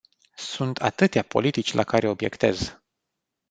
Sunt atâtea politici la care obiectez.